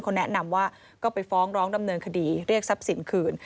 เขาแนะนำว่าก็ไปฟ้องร้องดำเนินคดีเรียกทรัพย์สินคืน